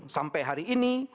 sampai hari ini